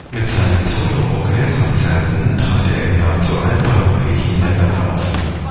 Mit seinen Solo-Orgelkonzerten trat er in nahezu allen europäischen Ländern auf.